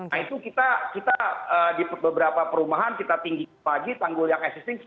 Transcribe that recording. nah itu kita di beberapa perumahan kita tinggi lagi tanggul yang existing